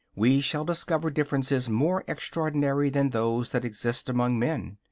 We shall discover differences more extraordinary than those that exist among men.